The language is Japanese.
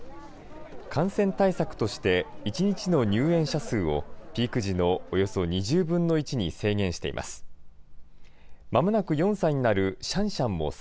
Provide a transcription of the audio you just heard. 感染対策として、１日の入園者数をピーク時のおよそ２０分の１に制限しています。